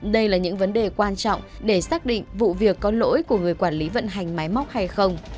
đây là những vấn đề quan trọng để xác định vụ việc có lỗi của người quản lý vận hành máy móc hay không